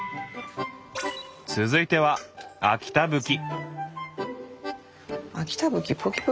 続いては秋田ぶき。